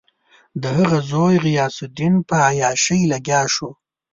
د هغه زوی غیاث الدین په عیاشي لګیا شو.